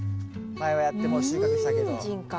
前はやってもう収穫したけど。